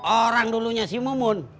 orang dulunya si mumun